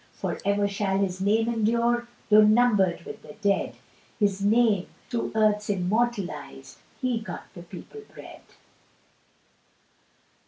For ever shall his name endure, Tho' numbered with the dead, His name through earth's immortalised, "He got the people bread."